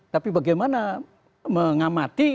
tapi bagaimana mengamati